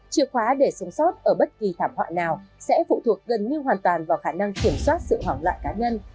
chìa khóa để sống sót ở bất kỳ thảm họa nào sẽ phụ thuộc gần như hoàn toàn vào khả năng kiểm soát sự hoảng loạn cá nhân